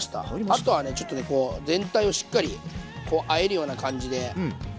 あとはねちょっとねこう全体をしっかりこうあえるような感じで。